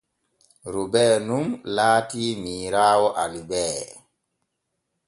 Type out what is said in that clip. Robee nun laatii miiraawo Alibee.